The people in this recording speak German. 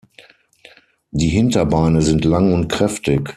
Die Hinterbeine sind lang und kräftig.